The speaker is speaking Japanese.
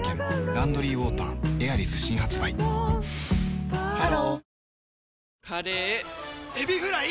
「ランドリーウォーターエアリス」新発売ハローカレーエビフライ！